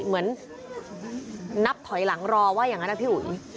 เหมือนนับถอยหลังรอว่าอย่างนั้นนะพี่อุ๋ย